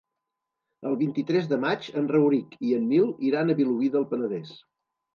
El vint-i-tres de maig en Rauric i en Nil iran a Vilobí del Penedès.